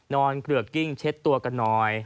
เกลือกกิ้งเช็ดตัวกันหน่อย